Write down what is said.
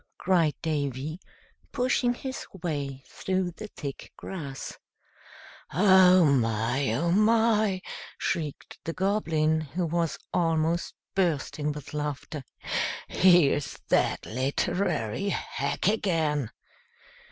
cried Davy, pushing his way through the thick grass. "Oh, my! oh, my!" shrieked the Goblin, who was almost bursting with laughter. "Here's that literary hack again!"